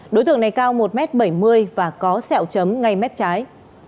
đối tượng này cao một m bảy mươi và có sẹo chấm ngay mép trái